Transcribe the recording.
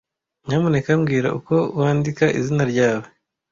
Nyamuneka mbwira uko wandika izina ryawe.